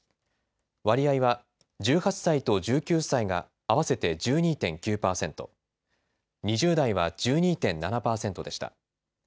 割合は１８歳と１９歳が合わせて１２．９％、２０代は１２．７％でした。